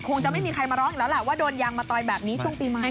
คงจะไม่มีใครมาร้องอีกแล้วแหละว่าโดนยางมาต่อยแบบนี้ช่วงปีใหม่